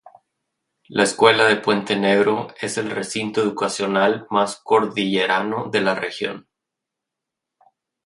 La escuela de Puente Negro, es el recinto educacional más cordillerano de la región.